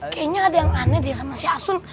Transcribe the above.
kayaknya ada yang aneh deh sama si asun